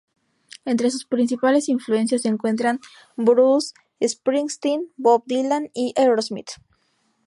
Entre sus principales influencias se encuentran Bruce Springsteen, Bob Dylan y Aerosmith.